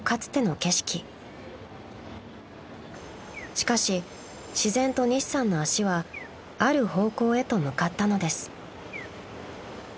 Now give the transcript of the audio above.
［しかし自然と西さんの足はある方向へと向かったのです］